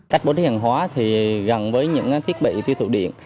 cách bố trí hàng hóa thì gần với những thiết bị tiêu thụ điện